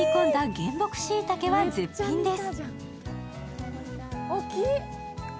原木しいたけは絶品です。